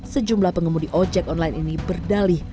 sejumlah pengemudi ojek online ini berdalih